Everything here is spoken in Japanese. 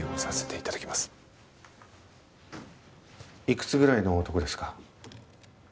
いくつぐらいの男ですか？